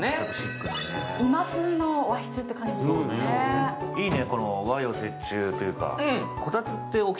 今風の和室って感じですね。